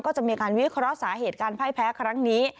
ก็จะมีการวิเคราะห์สาเหตุการไพ่แพ้ครั้งนี้